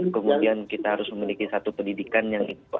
kemudian kita harus memiliki satu pendidikan yang